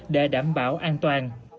để đảm bảo an toàn